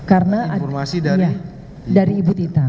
karena informasi dari ibu tita